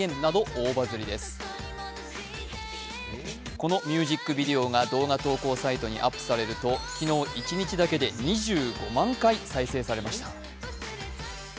このミュージックビデオが動画投稿サイトにアップされると昨日一日だけで２５万回再生されました。